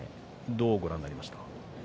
どうご覧になりました？